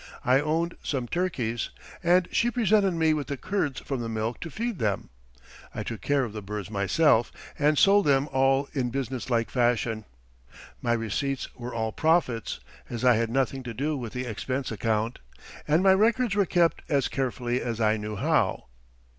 I owned some turkeys, and she presented me with the curds from the milk to feed them. I took care of the birds myself, and sold them all in business like fashion. My receipts were all profit, as I had nothing to do with the expense account, and my records were kept as carefully as I knew how.